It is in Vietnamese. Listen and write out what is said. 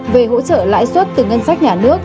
về hỗ trợ lãi suất từ ngân sách nhà nước